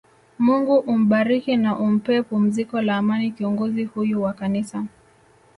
Mungu umbariki na umpe pumziko la Amani kiongozi huyu wa kanisa